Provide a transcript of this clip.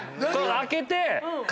開けて。